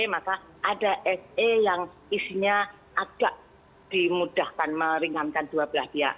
maka ada se yang isinya agak dimudahkan meringankan dua belah pihak